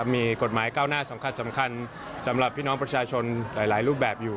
มีกฎหมายก้าวหน้าสำคัญสำหรับพี่น้องประชาชนหลายรูปแบบอยู่